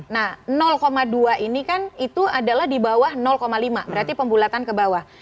nah dua ini kan itu adalah di bawah lima berarti pembulatan ke bawah